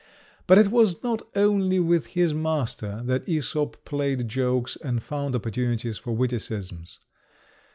But it was not only with his master that Æsop played jokes and found opportunities for witticisms.